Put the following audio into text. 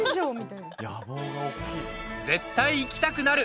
「絶対行きたくなる！